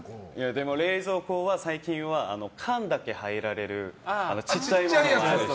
冷蔵庫は最近は缶だけ入れられる小さいものを。